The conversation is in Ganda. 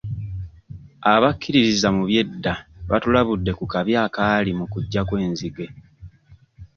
Abakkiririza mu by'edda batulabudde ku kabi akaali mu kujja kw'enzige.